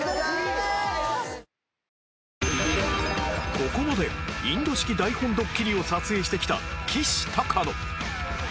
ここまでインド式台本どっきりを撮影してきたきしたかの